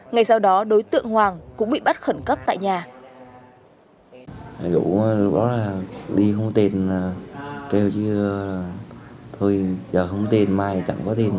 ngay sau đó đối tượng hoàng cũng bị bắt khẩn cấp tại nhà